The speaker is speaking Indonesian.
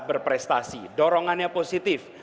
berprestasi dorongannya positif